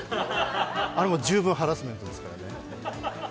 あれも十分ハラスメントですからね。